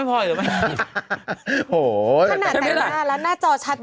ผ่อนให้พ่อเหรอมั้ย